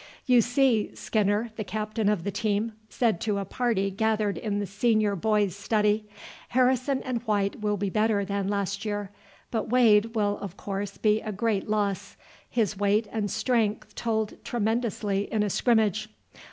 "You see," Skinner, the captain of the team, said to a party gathered in the senior boys' study, "Harrison and White will be better than last year, but Wade will of course be a great loss; his weight and strength told tremendously in a scrimmage.